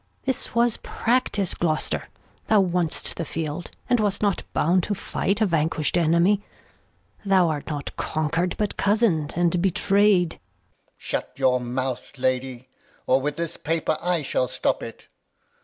Gon. This was Practice, Gloster, Thou won'st the Field, and was not bound to fight A vanquisht Enemy. Thou art not conquer'd. But couz'ned and betray'd. Alb. Shut your Mouth, Lady, Or with this Paper I shall stop it.